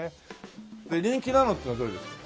人気なのっていうのはどれですか？